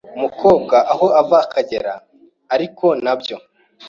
umukobwa aho ava akagera ariko nabyo